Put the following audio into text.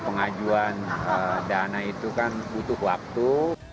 pengajuan dana itu kan butuh waktu